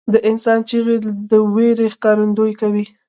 • د انسان چیغې د وېرې ښکارندویي کوي.